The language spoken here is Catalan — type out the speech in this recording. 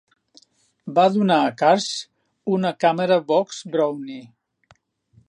Va donar a Karsh una càmera Box Brownie.